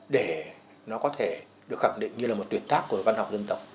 để nó có thể được khẳng định như là một tuyệt tác của văn học dân tộc